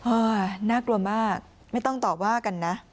อ่าน่ากลัวมากไม่ต้องตอบว่ากันนะ